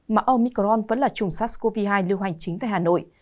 mà omicron vẫn là chủng sars cov hai lưu hành chính tại hà nội